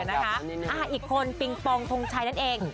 อีกคนปิงปองทงชัยนั่นเอง